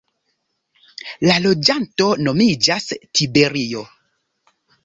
La loĝanto nomiĝas "tiberio".